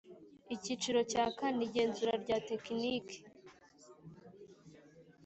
Icyiciro cya kane Igenzura rya tekiniki